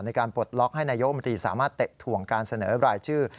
ปลดล็อกให้นายกมนตรีสามารถเตะถ่วงการเสนอรายชื่อ